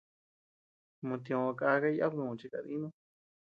Mo tiö kaka yàba dü chi kadínu.